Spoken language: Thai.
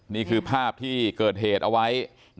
นี่คือภาพที่เกิดเหตุเอาไว้